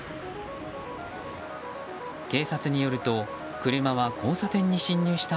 警察によると車は交差点に進入した